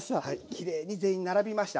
きれいに全員並びました。